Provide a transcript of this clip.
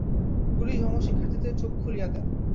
গুরুই ধর্মশিক্ষার্থীর চক্ষু খুলিয়া দেন।